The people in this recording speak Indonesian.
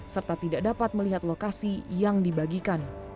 serta tidak dapat melihat lokasi yang dibagikan